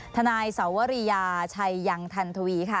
นายสวรียาชัยยังทันทวีค่ะ